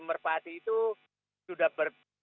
merpati itu sudah berpikir